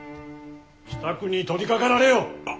支度に取りかかられよ！